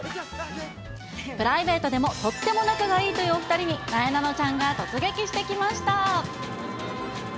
プライベートでもとっても仲がいいというお２人に、なえなのちゃんが突撃してきました。